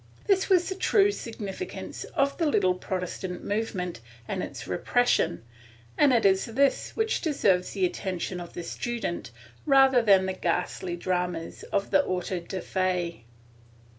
This was the true significance of the little Protestant movement and its repression, and it is this which deserves the attention of the student rather than the ghastly dramas of the autos de fe.